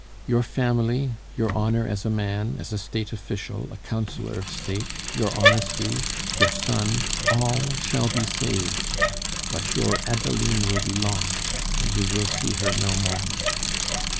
Your family, your honor as a man, as a State official, a Councillor of State, your honesty your son all shall be saved; but your Adeline will be lost, and you will see her no more.